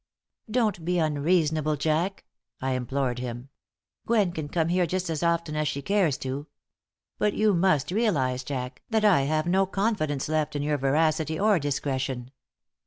"Don't be unreasonable, Jack," I implored him. "Gwen can come here just as often as she cares to. But you must realize, Jack, that I have no confidence left in your veracity or discretion.